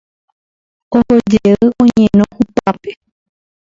Ohojey oñeno hupápe.